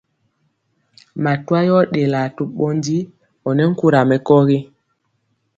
Matwa yɔ ɗelaa to ɓɔndi ɔnɛ nkura mɛkɔgi.